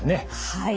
はい。